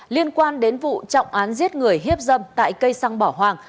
liên quan đến vụ trọng án giết người hiếp dâm tại cây xăng bảo hoàng